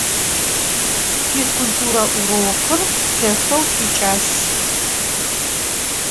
Fizkulture vurokır lheşşeu tiç'as.